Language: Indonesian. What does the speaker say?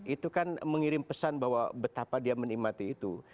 itu kan mengirim pesan bahwa betapa dia menikmati itu